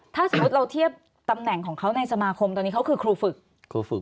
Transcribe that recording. ถ้าสมมุติเราเทียบตำแหน่งของเขาในสมาคมตอนนี้เขาคือครูฝึกครูฝึก